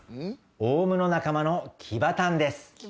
オウムの仲間のキバタンです。